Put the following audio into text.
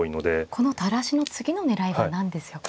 この垂らしの次の狙いは何でしょうか。